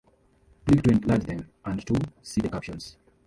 Click to enlarge them, and to see the captions.